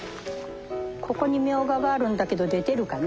ここにミョウガがあるんだけど出てるかな？